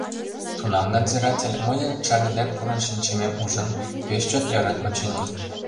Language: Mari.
Тунам надзиратель, мыйын чарныде пурын шинчымем ужын, пеш чот ӧрын, очыни.